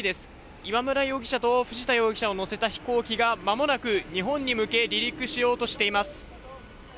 今村容疑者と藤田容疑者を乗せた飛行機がまもなく、日本に向け離陸しようとしています。